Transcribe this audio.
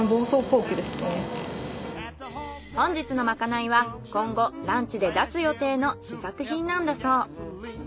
本日のまかないは今後ランチで出す予定の試作品なんだそう。